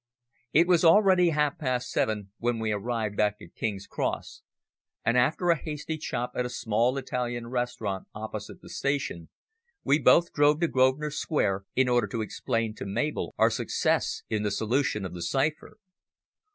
It was already half past seven when we arrived back at King's Cross, and after a hasty chop at a small Italian restaurant opposite the station, we both drove to Grosvenor Square, in order to explain to Mabel our success in the solution of the cipher.